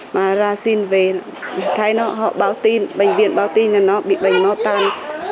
mà ra xin về thấy họ báo tin bệnh viện báo tin là nó bị bệnh no tan